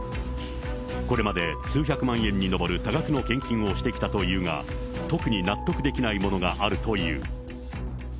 これまで数百万円に上る多額の献金をしてきたというが、特に納得できないものがあるという。